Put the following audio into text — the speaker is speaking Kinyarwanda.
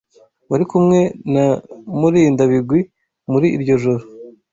Wari kumwe na Murindabigwi muri iryo joro?